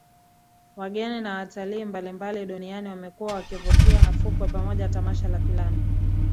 Wageni na watalii mbalimbali Duniani wamekuwa wakivutiwa na fukwe pamoja Tamasha la filamu